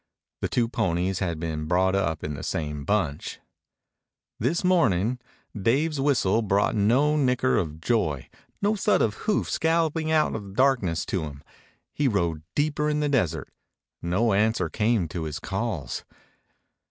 The two ponies had been brought up in the same bunch. This morning Dave's whistle brought no nicker of joy, no thud of hoofs galloping out of the darkness to him. He rode deeper into the desert. No answer came to his calls.